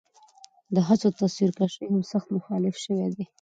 د هڅو د تصويرکشۍ هم سخت مخالفت شوے دے